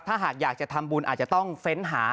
ถ้าหากอยากจะทำบุญอาจจะต้องเฟ้นหา